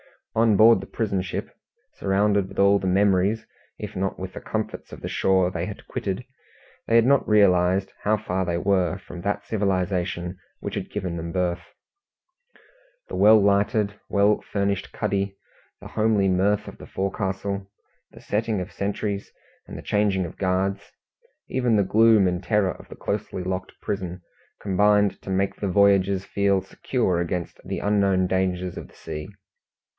On board the prison ship, surrounded with all the memories if not with the comforts of the shore they had quitted, they had not realized how far they were from that civilization which had given them birth. The well lighted, well furnished cuddy, the homely mirth of the forecastle, the setting of sentries and the changing of guards, even the gloom and terror of the closely locked prison, combined to make the voyagers feel secure against the unknown dangers of the sea.